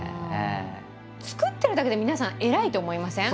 作ってるだけで皆さん偉いと思いません？